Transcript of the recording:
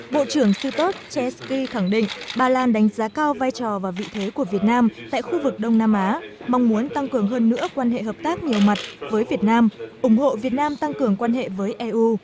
bộ trưởng sitov teski khẳng định ba lan đánh giá cao vai trò và vị thế của việt nam tại khu vực đông nam á mong muốn tăng cường hơn nữa quan hệ hợp tác nhiều mặt với việt nam ủng hộ việt nam tăng cường quan hệ với eu